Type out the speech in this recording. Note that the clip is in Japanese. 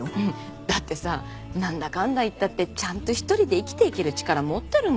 だってさ何だかんだ言ったってちゃんと一人で生きていける力持ってるもん。